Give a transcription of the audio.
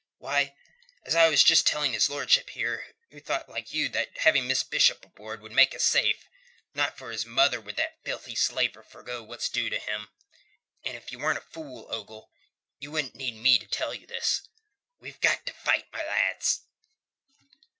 Why, as I was just telling his lordship here, who thought like you that having Miss Bishop aboard would make us safe, not for his mother would that filthy slaver forgo what's due to him. And if ye' weren't a fool, Ogle, you wouldn't need me to tell you this. We've got to fight, my lads...."